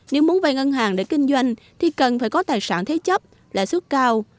nếu muốn vay ngân hàng để kinh doanh thì cần phải có tài sản thế chấp lãi suất cao